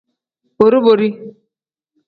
Bori-bori.